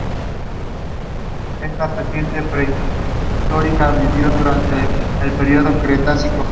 Es recibido calurosamente por la Unión de Artistas de Pekín.